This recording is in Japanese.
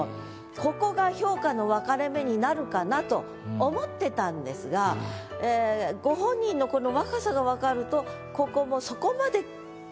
ここが評価の分かれ目になるかなと思ってたんですがご本人の若さが分かるとここも。